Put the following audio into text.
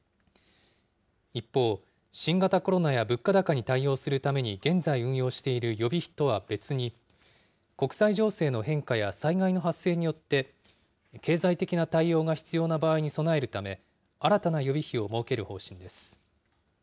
一方、新型コロナや物価高に対応するために現在運用している予備費とは別に、国際情勢の変化や災害の発生によって、経済的な対応が必要な場合に備えるため、新たな予備費を設ける方針です。